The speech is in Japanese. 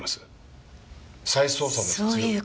再捜査の必要は。